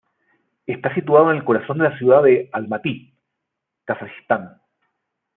Está situado en el corazón de la ciudad de Almatý, Kazajistán.